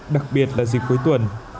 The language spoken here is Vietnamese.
đặc biệt là dịp cuối tuần